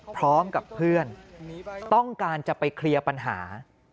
พร้อมกับเพื่อนต้องการจะไปเคลียร์ปัญหา